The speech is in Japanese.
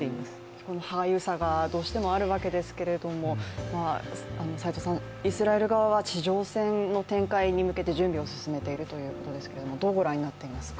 そこの歯がゆさがどうしてもあるわけですがイスラエル側は地上戦の展開に向けて準備を進めているということですがどう御覧になっていますか？